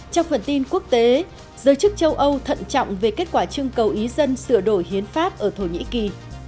trong phần tin quốc tế giới chức châu âu thận trọng về kết quả trưng cầu ý dân sửa đổi hiến pháp ở thổ nhĩ kỳ